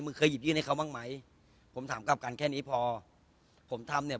เคยหยิบยื่นให้เขาบ้างไหมผมถามกลับกันแค่นี้พอผมทำเนี่ย